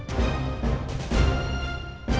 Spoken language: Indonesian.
saya sudah berhenti